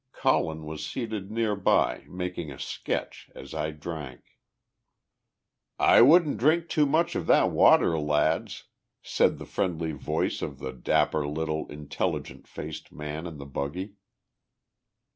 Colin was seated near by making a sketch, as I drank. "I wouldn't drink too much of that water, lads," said the friendly voice of the dapper little intelligent faced man in the buggy.